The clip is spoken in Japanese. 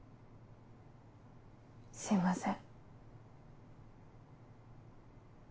すいません。